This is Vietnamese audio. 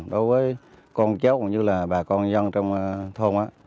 đối với con cháu cũng như là bà con dân trong thôn